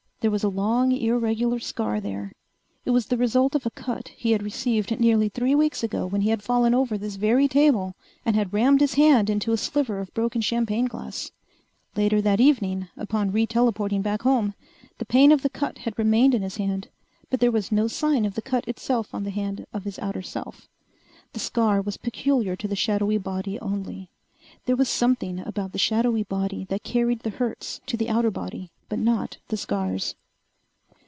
There was a long, irregular scar there. It was the result of a cut he had received nearly three weeks ago when he had fallen over this very table and had rammed his hand into a sliver of broken champagne glass. Later that evening, upon re telporting back home, the pain of the cut had remained in his hand, but there was no sign of the cut itself on the hand of his outer self. The scar was peculiar to the shadowy body only. There was something about the shadowy body that carried the hurts to the outer body, but not the scars....